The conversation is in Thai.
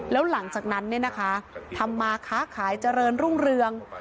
แล้วหลังจากนั้นเนี่ยนะคะทำมาค้าขายเจริญรุ่งเรือง